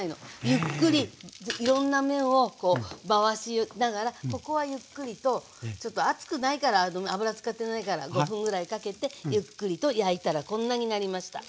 ゆっくりいろんな面をこう回しながらここはゆっくりとちょっと熱くないから油使ってないから５分ぐらいかけてゆっくりと焼いたらこんなになりました。